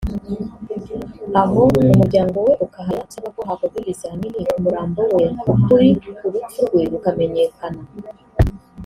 Aho umuryango we ukahahera usaba ko hakorwa ibizamini ku murambo we ukuri ku rupfu rwe rukamenyekana